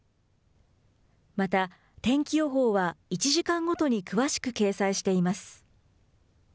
また、天気予報は１時間ごとに詳しく掲載しています。